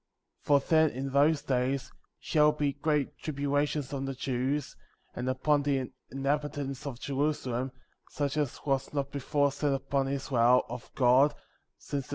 For then, in those days, shall be great tribu lations on the Jews, and upon the inhabitants* of Jerusalem, such as was not before sent upon Israel, of God, since the.